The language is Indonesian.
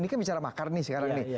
ini kan bicara makar nih sekarang nih